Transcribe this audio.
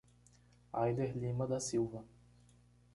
Ayder Lima da Silva